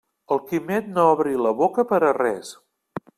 El Quimet no obri la boca per a res.